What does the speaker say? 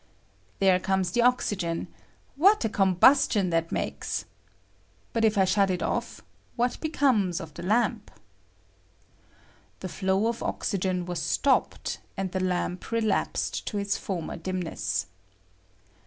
There comes the oxygen: what a combustion that makes ! But if I shut it oft^ what becomes of the lamp ? [The flow of oxygen was stopped, and the lamp relapsed to its former dimness.